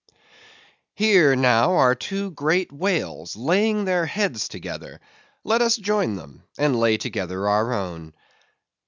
Here, now, are two great whales, laying their heads together; let us join them, and lay together our own.